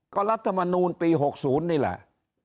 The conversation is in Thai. ก็รัฐมนูลปี๖๐นี่แหละ